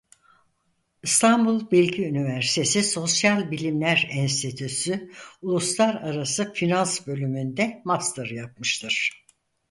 İstanbul Bilgi Üniversitesi Sosyal Bilimler Enstitüsü Uluslararası Finans Bölümünde master yapmıştır.